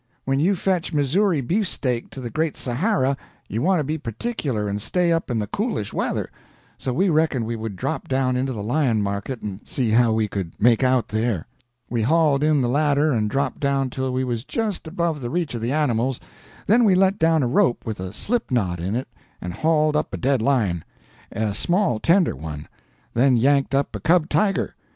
When you fetch Missouri beefsteak to the Great Sahara, you want to be particular and stay up in the coolish weather. So we reckoned we would drop down into the lion market and see how we could make out there. We hauled in the ladder and dropped down till we was just above the reach of the animals, then we let down a rope with a slip knot in it and hauled up a dead lion, a small tender one, then yanked up a cub tiger.